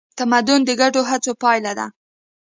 تمدن د ګډو هڅو پایله ده.